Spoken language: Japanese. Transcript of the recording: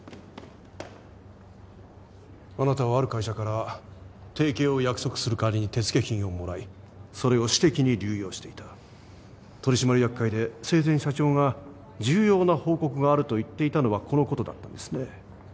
あなたはある会社から提携を約束するかわりに手付金をもらいそれを私的に流用していた取締役会で生前社長が重要な報告があると言っていたのはこのことだったんですね